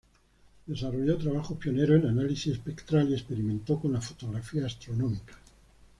Desarrolló trabajos pioneros en análisis espectral, y experimentó con la fotografía astronómica.